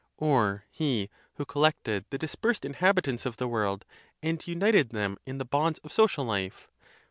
or he who collected the dispersed in habitants of the world, and united them in the bonds of social life?